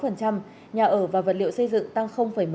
nhà ở và vật liệu xây dựng tăng một mươi hai